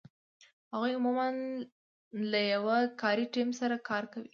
هغوی عمومآ له یو کاري ټیم سره کار کوي.